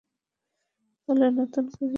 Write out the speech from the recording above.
তাইলে নতুন কিছু শোনো।